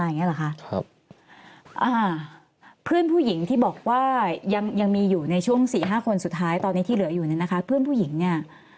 อย่างเงี้เหรอคะครับอ่าเพื่อนผู้หญิงที่บอกว่ายังยังมีอยู่ในช่วงสี่ห้าคนสุดท้ายตอนนี้ที่เหลืออยู่เนี่ยนะคะเพื่อนผู้หญิงเนี่ย